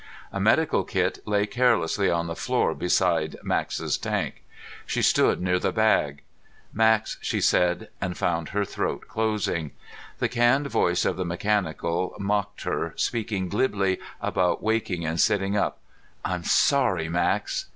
A medical kit lay carelessly on the floor beside Max's tank. She stood near the bag. "Max," she said, and found her throat closing. The canned voice of the mechanical mocked her, speaking glibly about waking and sitting up. "I'm sorry, Max...."